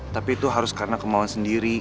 tapi itu harus karena kemauan sendiri